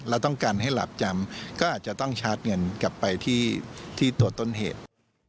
แล้วต้องการให้หลาบจำก็อาจจะต้องชาร์จเงินกลับไปที่ตัวต้นเหตุ